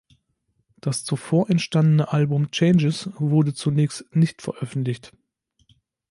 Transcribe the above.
Das zuvor entstandene Album "Changes" wurde zunächst nicht veröffentlicht.